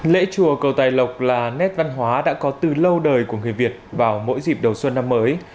lễ chùa cầu tài lộc là nét văn hóa đã có từ lâu đời của người việt vào mỗi dịp đầu xuân năm mới